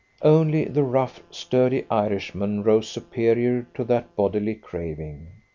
Only the rough, sturdy Irishman rose superior to that bodily craving.